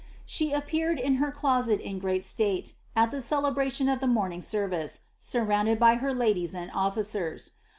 She appeared in her closet in great state, at the celebration of the morning service, surrounded by her ladies and offi cers.